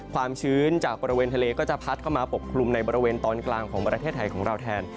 ความชื้นจากบริเวณทะเลก็จะพัดเข้ามาปกคลุมในบริเวณตอนกลางของประเทศไทยของเราแทน